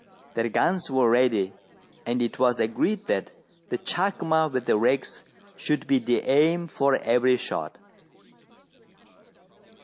Their guns were ready, and it was agreed that the chacma with the rags should be the aim for every shot.